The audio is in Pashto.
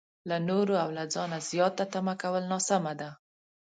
له نورو او له ځانه زياته تمه کول ناسمه ده.